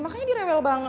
makanya dia rewel banget